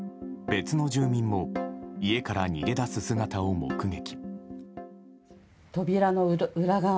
別の住民も家から逃げ出す姿を目撃。